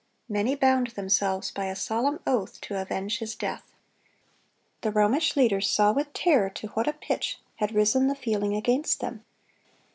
Many bound themselves by a solemn oath to avenge his death. The Romish leaders saw with terror to what a pitch had risen the feeling against them.